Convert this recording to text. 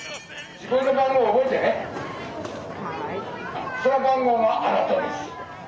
その番号があなたです。ね。